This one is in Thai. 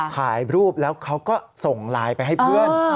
ถ่ายรูปแล้วเขาก็ส่งไลน์ไปให้เพื่อน